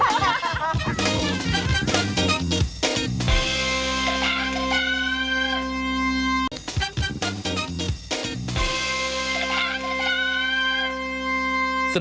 ตั้งตั้ง